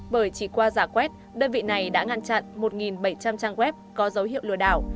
bởi chỉ qua giả quét đơn vị này đã ngăn chặn một bảy trăm linh trang web có dấu hiệu lừa đảo